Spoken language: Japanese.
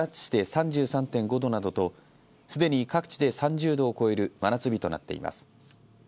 ３３．５度などとすでに各地で３０度を超える真夏日となっています。